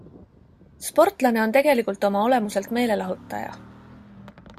Sportlane on tegelikult oma olemuselt meelelahutaja.